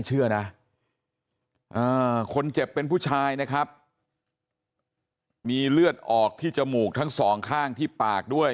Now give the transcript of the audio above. ชื่อผู้ชายนะครับมีเลือดออกที่จมูกทั้งสองคร่างที่ปากด้วย